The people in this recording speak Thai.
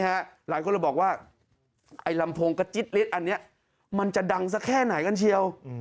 หลายคนเลยบอกว่าไอ้ลำโพงกระจิ๊ดลิดอันนี้มันจะดังสักแค่ไหนกันเชียว